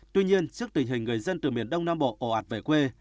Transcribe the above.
tuy nhiên trước tình hình người dân từ miền đông nam bộ ồ ạt về quê